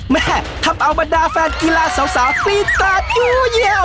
แม่ทำเอามาดาแฟนกีฬาสาวตีตาดอยู่